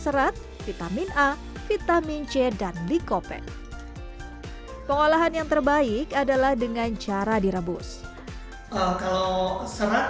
serat vitamin a vitamin c dan likopek pengolahan yang terbaik adalah dengan cara direbus kalau serat